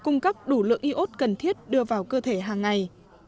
nhất đưa vào cơ thể hàng ngày